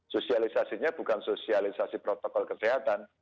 sosialisasinya bukan sosialisasi protokol kesehatan